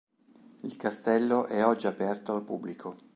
Il castello è oggi aperto al pubblico.